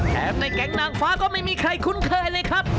ในแก๊งนางฟ้าก็ไม่มีใครคุ้นเคยเลยครับ